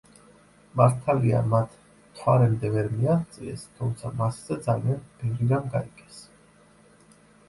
მართალია, მათ მთვარემდე ვერ მიაღწიეს, თუმცა მასზე ძალიან ბევრი რამ გაიგეს.